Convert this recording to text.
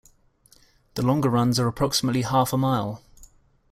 The longer runs are approximately half a mile.